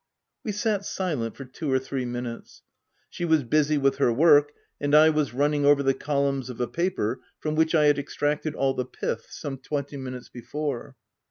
We sat silent for two or three minutes. She was busy with her work and I was running over the columns of a paper from which I had extracted all the pith some twenty minutes before.